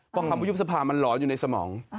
เพราะคำว่ายุบสภามันหลอนอยู่ในสมอง